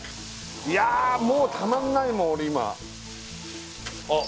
いやーもうたまんないもん俺今あっ